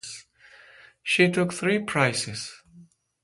She took three prizes.